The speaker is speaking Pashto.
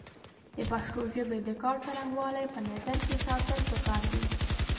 د پښتو ژبې د کار څرنګوالی په نظر کې ساتل پکار دی